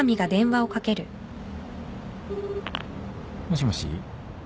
もしもし？